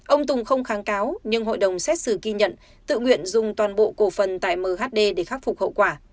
ông tùng không kháng cáo nhưng hội đồng xét xử ghi nhận tự nguyện dùng toàn bộ cổ phần tại mhd để khắc phục hậu quả